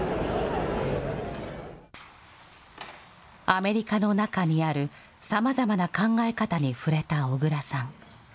アメリカの中にあるさまざまな考え方に触れた小倉さん。